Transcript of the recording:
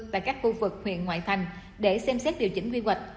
tại các khu vực huyện ngoại thành để xem xét điều chỉnh quy hoạch